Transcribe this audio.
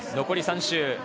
残り３周。